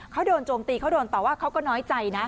เขาโดนโจมตีเขาโดนต่อว่าเขาก็น้อยใจนะ